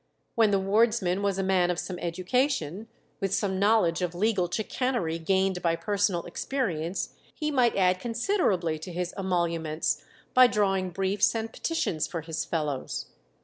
When the wardsman was a man of some education, with some knowledge of legal chicanery gained by personal experience, he might add considerably to his emoluments by drawing briefs and petitions for his fellows.